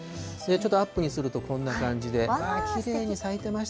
ちょっとアップにするとこんな感じで、きれいに咲いてました